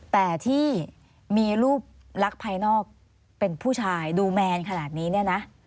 แต่ที่มีรูปลักษณ์ภายนอกเป็นผู้ชายดูแมนขนาดนี้เนี่ยนะ